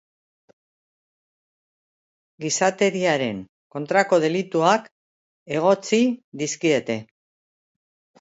Gizateriaren kontrako delituak egotzi dizkiete.